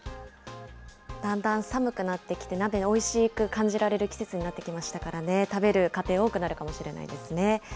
だんだん寒くなってきて、鍋おいしく感じられる季節になってきましたからね、食べる家庭、多くなるかもしれないですね。